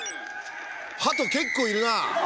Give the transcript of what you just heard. ハト結構いるな。